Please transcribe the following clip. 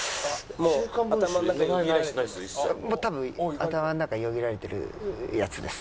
もう多分頭の中よぎられてるやつです。